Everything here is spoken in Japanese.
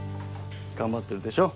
頑張ってるでしょ